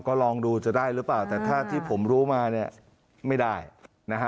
ก็ลองดูจะได้หรือเปล่าแต่ถ้าที่ผมรู้มาเนี่ยไม่ได้นะฮะ